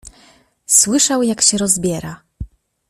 Słyszał, jak się rozbiera.